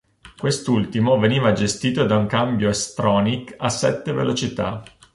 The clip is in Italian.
Quest'ultimo veniva gestito da un cambio S tronic a sette velocità.